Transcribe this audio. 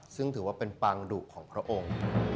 ซึ่งถือว่าเป็นปางดุของพระองค์